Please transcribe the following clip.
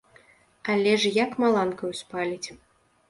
Але ж як маланкаю спаліць.